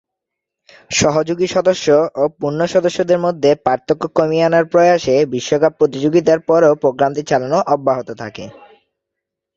সহযোগী সদস্য ও পূর্ণ সদস্যদের মধ্যে পার্থক্য কমিয়ে আনার প্রয়াসে বিশ্বকাপ প্রতিযোগিতার পরেও প্রোগ্রামটি চালানো অব্যাহত থাকে।